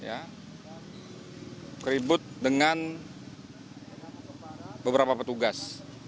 ya keribut dengan beberapa petugas